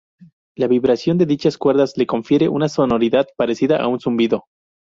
La vibración de dichas cuerdas le confiere una sonoridad parecida a un zumbido.